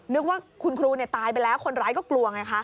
นึกว่าคุณครูตายไปแล้วคนร้ายก็กลัวไงคะ